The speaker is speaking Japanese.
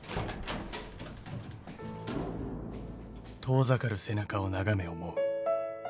［遠ざかる背中を眺め思う］